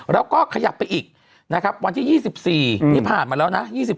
แล้วก็ขยับไปอีกวันที่๒๔นี่ผ่านมาแล้ว